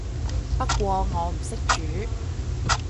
不過我唔識煮